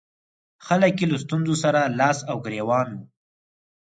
خلک یې له ستونزو سره لاس او ګرېوان وو.